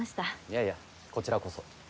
いやいやこちらこそ。